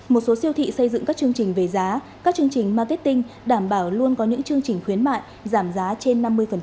một số siêu thị xây dựng các chương trình về giá các chương trình marketing đảm bảo luôn có những chương trình khuyến mại giảm giá trên năm mươi